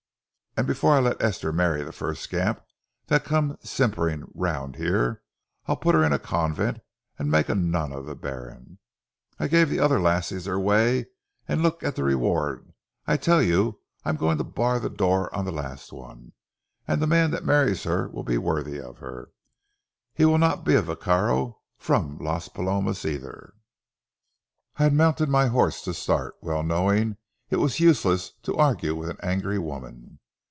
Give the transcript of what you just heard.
Afore I let Esther marry the first scamp that comes simperin' aroond here, I'll put her in a convent, an' mak' a nun o' the bairn. I gave the ither lassies their way, an' look at the reward. I tell ye I'm goin' to bar the door on the last one, an' the man that marries her will be worthy o' her. He winna be a vaquero frae Las Palomas either!" I had mounted my horse to start, well knowing it was useless to argue with an angry woman.